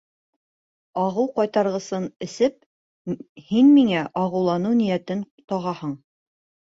Ағыу ҡайтарғысын эсеп, һин миңә ағыулау ниәтен тағаһың.